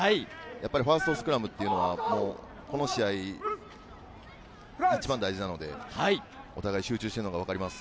ファーストスクラムというのはこの試合、一番大事なのでお互い集中しているのが分かります。